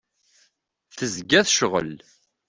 Tezga tecɣel.